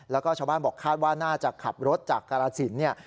แล้วก็ชาวบ้านบอกคาดว่าน่าจะขับรถจากกรสินเนี่ย